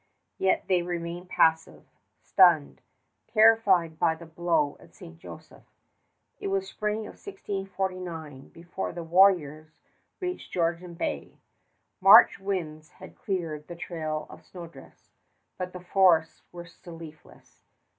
Yet they remained passive, stunned, terrified by the blow at St. Joseph. It was spring of 1649 before the warriors reached Georgian Bay. March winds had cleared the trail of snowdrifts, but the forests were still leafless.